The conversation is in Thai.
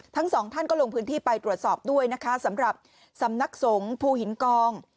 ทั้งสองท่านก็ลงพื้นที่ไปตรวจสอบด้วยนะคะสำหรับสำนักสงฆ์ภูหินกอง